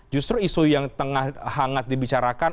justru isu yang tengah hangat dibicarakan